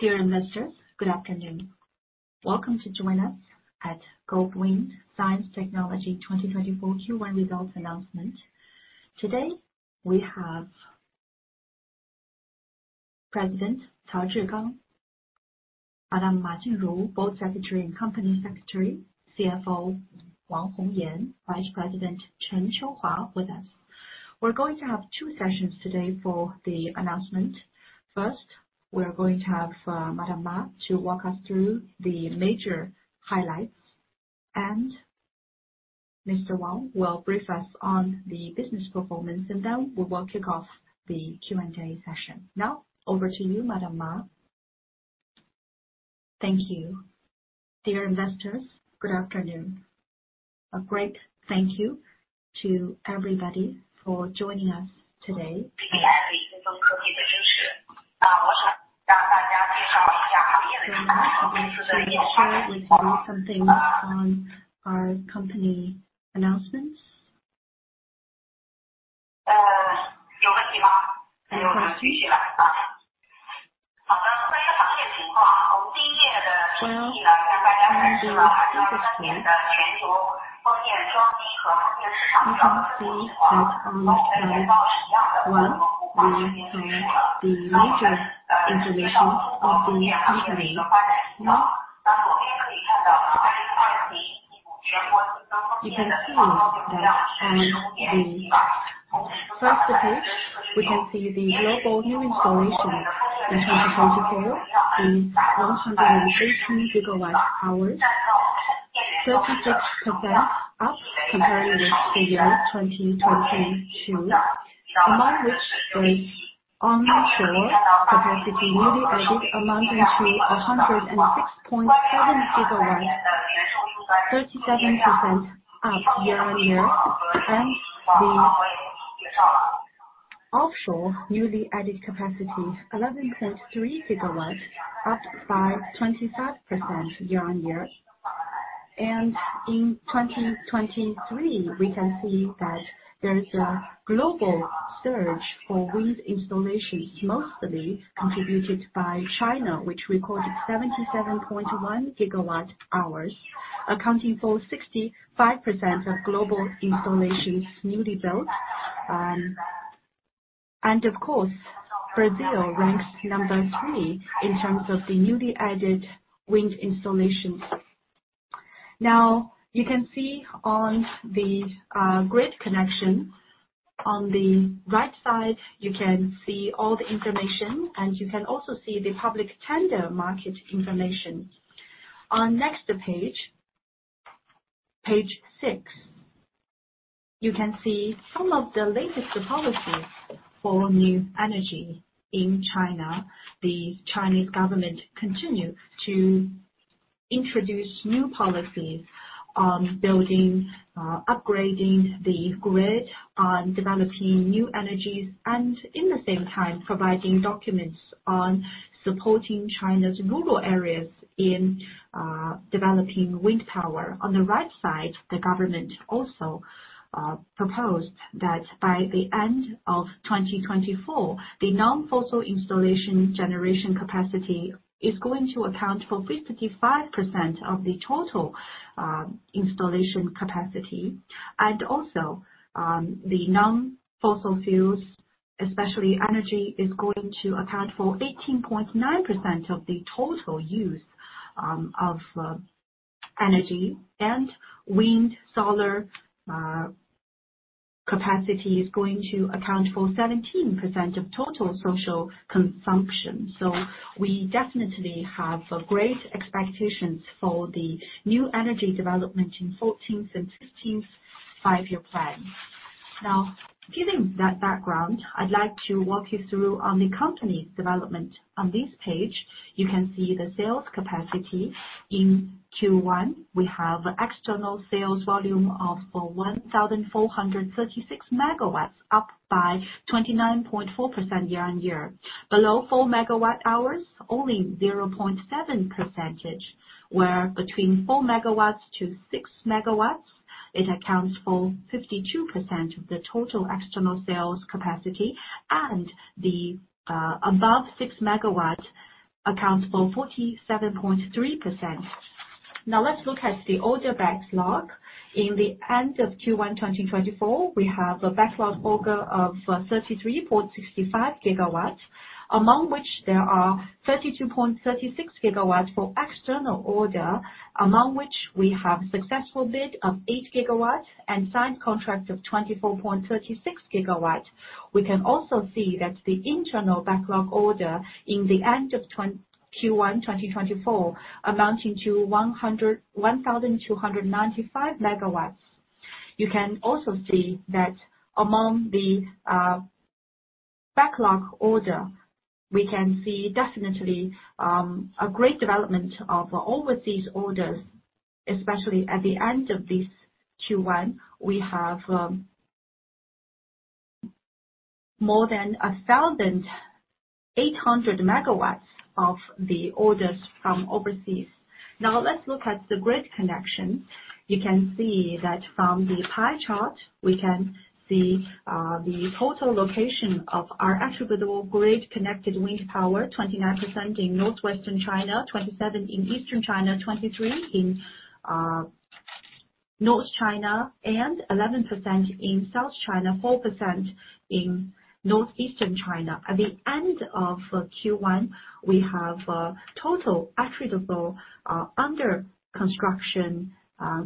Dear investors, good afternoon. Welcome to join us at Goldwind Science & Technology 2024 Q1 Results Announcement. Today, we have President Cao Zhigang, Madam Ma Jinru, Board Secretary and Company Secretary, CFO Wang Hongyan, Vice President Chen Qiuhua with us. We're going to have two sessions today for the announcement. First, we're going to have Madam Ma to walk us through the major highlights, and Mr. Wang will brief us on the business performance, and then we will kick off the Q&A session. Now, over to you, Madam Ma. Thank you. Dear investors, good afternoon. A great thank you to everybody for joining us today. Like to read something on our company announcements. The major information of the company. Now, you can see that on the first page, we can see the global new installation in 2024, in 160 GW, 36% up compared with the year 2022. Among which is onshore capacity, newly added amounting to 106.7 GW, 37% up year-on-year. And the offshore newly added capacity, 11.3 GW, up by 25% year-on-year. And in 2023, we can see that there is a global surge for wind installations, mostly contributed by China, which recorded 77.1 GW, accounting for 65% of global installations newly built. And of course, Brazil ranks number three in terms of the newly added wind installations. Now, you can see on the grid connection. On the right side, you can see all the information, and you can also see the public tender market information. On next page, page six, you can see some of the latest policies for new energy in China. The Chinese government continue to introduce new policy on building, upgrading the grid, on developing new energies, and in the same time, providing documents on supporting China's rural areas in developing wind power. On the right side, the government also proposed that by the end of 2024, the non-fossil installation generation capacity is going to account for 55% of the total installation capacity. And also, the non-fossil fuels, especially energy, is going to account for 18.9% of the total use of energy. And wind, solar capacity is going to account for 17% of total social consumption. So we definitely have great expectations for the new energy development in 14th and 15th Five-Year Plan. Now, given that background, I'd like to walk you through on the company's development. On this page, you can see the sales capacity. In Q1, we have external sales volume of 1,436 MW, up by 29.4% year-on-year. Below 4 MWh, only 0.7%, where between 4-6 MW, it accounts for 52% of the total external sales capacity, and the above 6 MW accounts for 47.3%. Now, let's look at the order backlog. In the end of Q1 2024, we have a backlog order of 33.65 GW, among which there are 32.36 GW for external order, among which we have successful bid of 8 GW and signed contracts of 24.36 GW. We can also see that the internal backlog order in the end of Q1 2024, amounting to 1,295 MW. You can also see that among the backlog order, we can see definitely a great development of overseas orders, especially at the end of this Q1, we have more than 1,800 MW of the orders from overseas. Now let's look at the grid connection. You can see that from the pie chart, we can see, the total location of our attributable grid-connected wind power, 29% in Northwestern China, 27% in Eastern China, 23% in North China, and 11% in South China, 4% in Northeastern China. At the end of Q1, we have a total attributable under construction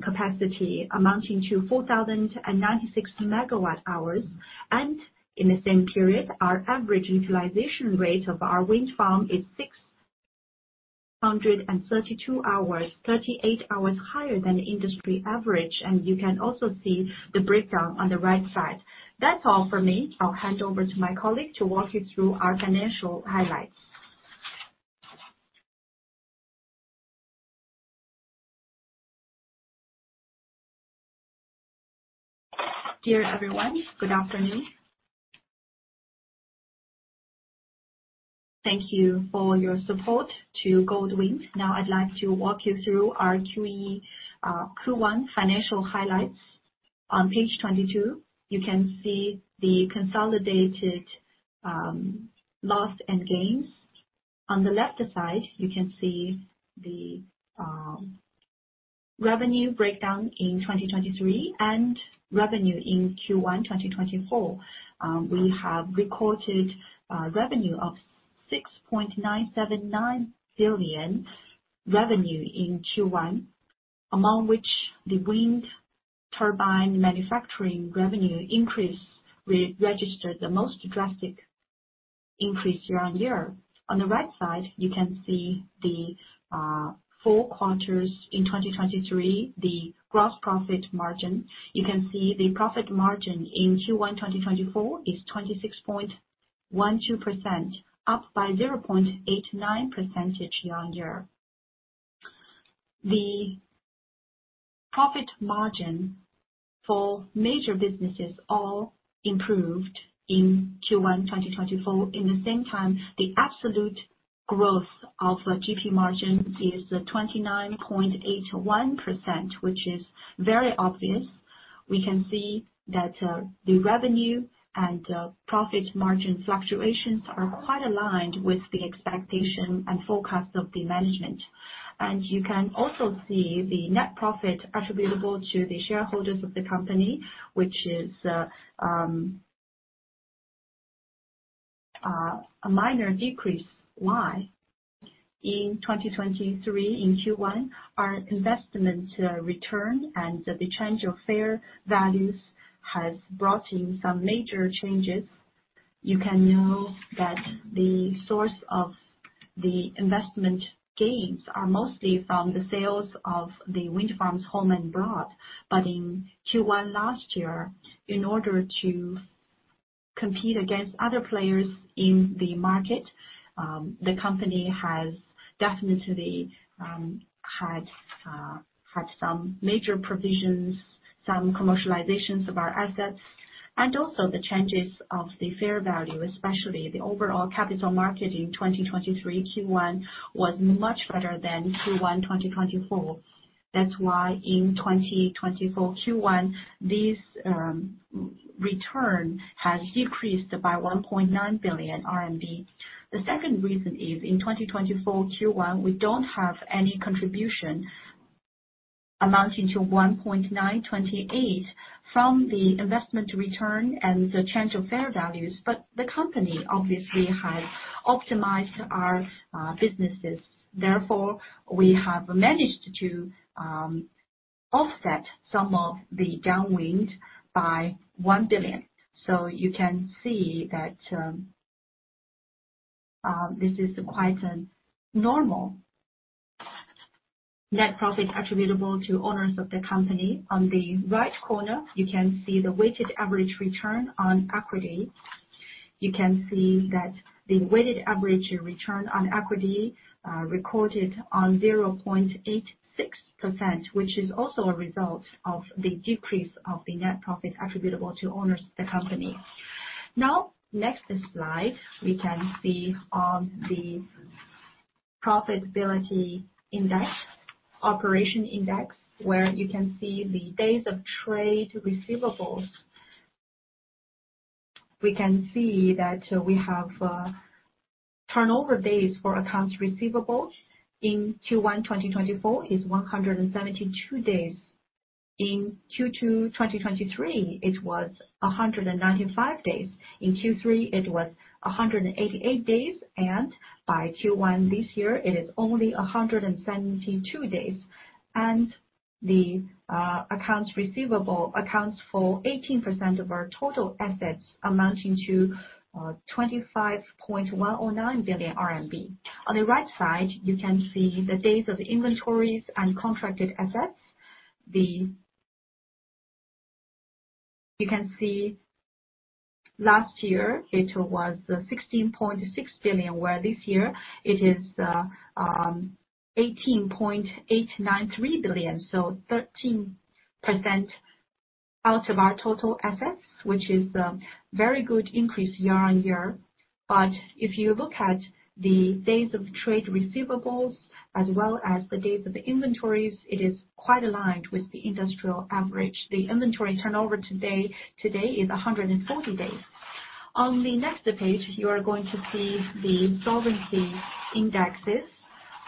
capacity amounting to 4,096 MWh. In the same period, our average utilization rate of our wind farm is 632 hours, 38 hours higher than the industry average, and you can also see the breakdown on the right side. That's all for me. I'll hand over to my colleague to walk you through our financial highlights. Dear everyone, good afternoon. Thank you for your support to Goldwind. Now I'd like to walk you through our Q1 financial highlights. On page 22, you can see the consolidated loss and gains. On the left side, you can see the revenue breakdown in 2023 and revenue in Q1 2024. We have recorded revenue of 6.979 billion revenue in Q1, among which the wind turbine manufacturing revenue increase registered the most drastic increase year-on-year. On the right side, you can see the four quarters in 2023, the gross profit margin. You can see the profit margin in Q1 2024 is 26.12%, up by 0.89 percentage year-on-year. The profit margin for major businesses all improved in Q1 2024. In the same time, the absolute growth of GP margin is 29.81%, which is very obvious. We can see that the revenue and profit margin fluctuations are quite aligned with the expectation and forecast of the management. You can also see the net profit attributable to the shareholders of the company, which is a minor decrease. Why? In 2023, in Q1, our investment return and the change of fair values has brought in some major changes. You can know that the source of the investment gains are mostly from the sales of the wind farms home and abroad. But in Q1 last year, in order to compete against other players in the market, the company has definitely had some major provisions, some commercializations of our assets, and also the changes of the fair value, especially the overall capital market in 2023 Q1, was much better than Q1 2024. That's why in 2024 Q1, this return has decreased by 1.9 billion RMB. The second reason is, in 2024 Q1, we don't have any contribution amounting to 1.928 billion from the investment return and the change of fair values, but the company obviously has optimized our businesses. Therefore, we have managed to offset some of the downwind by 1 billion. So you can see that this is quite a normal net profit attributable to owners of the company. On the right corner, you can see the weighted average return on equity. You can see that the weighted average return on equity recorded on 0.86%, which is also a result of the decrease of the net profit attributable to owners of the company. Now, next slide, we can see on the profitability index, operation index, where you can see the days of trade receivables. We can see that we have turnover days for accounts receivables in Q1 2024 is 172 days. In Q2 2023, it was 195 days. In Q3, it was 188 days, and by Q1 this year, it is only 172 days. And the accounts receivable accounts for 18% of our total assets, amounting to 25.109 billion RMB. On the right side, you can see the days of inventories and contracted assets. You can see last year it was 16.6 billion, where this year it is 18.893 billion, so 13%... Out of our total assets, which is a very good increase year-on-year. But if you look at the days of trade receivables as well as the days of the inventories, it is quite aligned with the industrial average. The inventory turnover today is 140 days. On the next page, you are going to see the solvency indexes.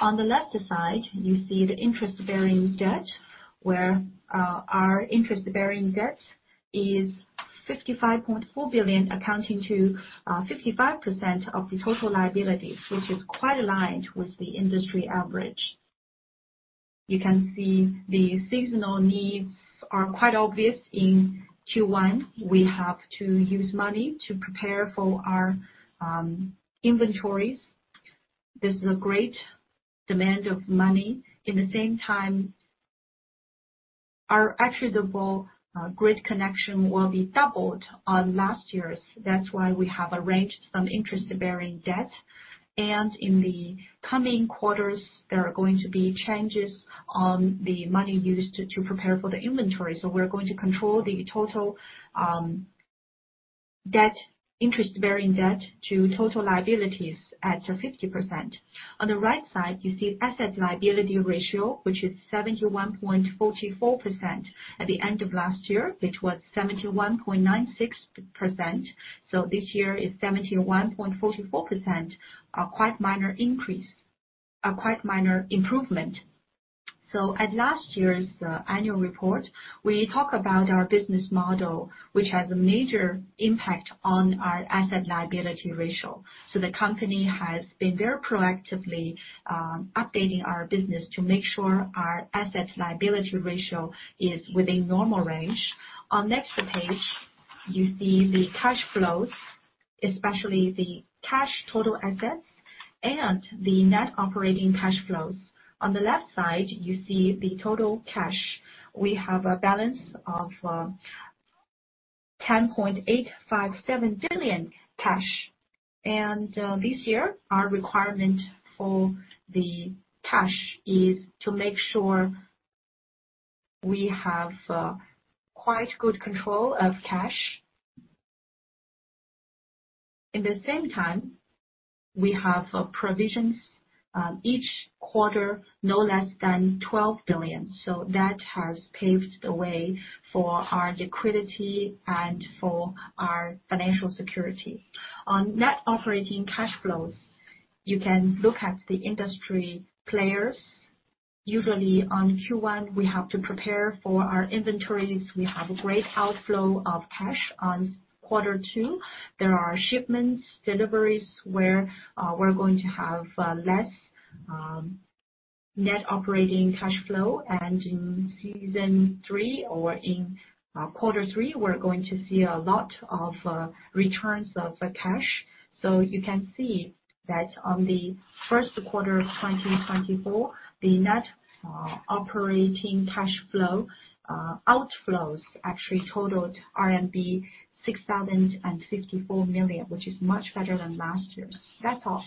On the left side, you see the interest-bearing debt, where our interest-bearing debt is 55.4 billion, accounting to 55% of the total liability, which is quite aligned with the industry average. You can see the seasonal needs are quite obvious in Q1. We have to use money to prepare for our inventories. There's a great demand of money. In the same time, our attributable grid connection will be doubled on last year's. That's why we have arranged some interest-bearing debt, and in the coming quarters, there are going to be changes on the money used to prepare for the inventory. So we're going to control the total debt, interest-bearing debt, to total liabilities at 50%. On the right side, you see asset liability ratio, which is 71.44%. At the end of last year, it was 71.96%, so this year is 71.44%, a quite minor increase, a quite minor improvement. So at last year's annual report, we talk about our business model, which has a major impact on our asset liability ratio. So the company has been very proactively updating our business to make sure our asset liability ratio is within normal range. On next page, you see the cash flows, especially the cash total assets and the net operating cash flows. On the left side, you see the total cash. We have a balance of 10.857 billion cash, and this year, our requirement for the cash is to make sure we have quite good control of cash. In the same time, we have provisions each quarter, no less than 12 billion, so that has paved the way for our liquidity and for our financial security. On net operating cash flows, you can look at the industry players. Usually on Q1, we have to prepare for our inventories. We have a great outflow of cash on quarter two. There are shipments, deliveries, where we're going to have less net operating cash flow. In season three or in quarter three, we're going to see a lot of returns of the cash. So you can see that on the first quarter of 2024, the net operating cash flow outflows actually totaled RMB 6,054 million, which is much better than last year. That's all.